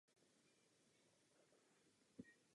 Mezi zdroje příjmů patřila sklizeň sena.